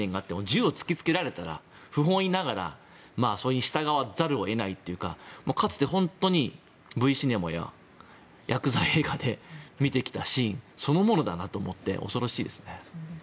銃を突きつけられたら不本意ながらそれに従わざるを得ないというかかつて、本当にＶシネマやヤクザ映画で見てきたシーンそのものだなと思って恐ろしいですね。